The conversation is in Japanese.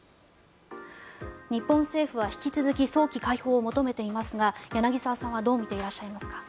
日本政府は引き続き早期解放を求めていますが柳澤さんはどう見ていらっしゃいますか？